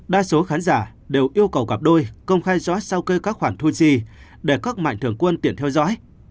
đa số khán giả đều yêu cầu gặp đôi công khai rõ sau cây các khoản thu chi để các mạnh thường quân tiện theo dõi